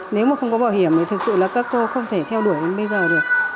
nếu mà không có bảo hiểm thì thực sự là các cô không thể theo đuổi đến bây giờ được